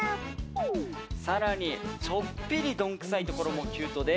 更に、ちょっぴりどんくさいところもキュートで